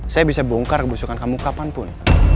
saya bisa bongkar busukan kamu kapanpun